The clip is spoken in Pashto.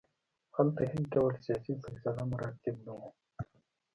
هلته هېڅ ډول سیاسي سلسله مراتب نه وو.